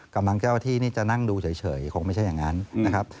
กำลังแก้วที่นี่จะนั่งดูเฉยคงไม่ใช่อย่างนั้น